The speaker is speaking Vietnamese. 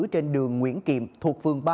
trên đường nguyễn kiệm thuộc phương ba